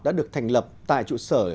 đã được thành lập tại trụ sở